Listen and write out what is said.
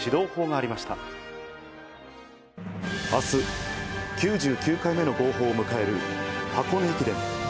あす、９９回目の号砲を迎える箱根駅伝。